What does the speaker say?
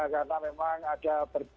karena memang ada